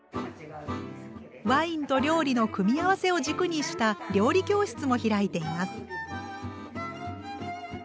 ワインと料理の組み合わせを軸にした料理教室も開いています。